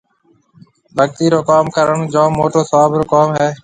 ڀگتِي رو ڪوم ڪرڻ جوم موٽو سواب رو ڪوم هيَ۔